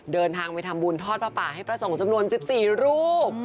เดินทางไปทำบุญทอดผ้าป่าให้พระสงฆ์จำนวน๑๔รูป